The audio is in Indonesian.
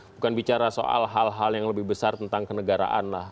bukan bicara soal hal hal yang lebih besar tentang kenegaraan lah